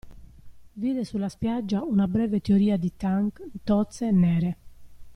Vide sulla spiaggia una breve teoria di tank tozze e nere.